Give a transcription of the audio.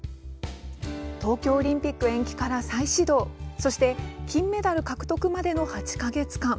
東京オリンピック延期から再始動そして金メダル獲得までの８か月間。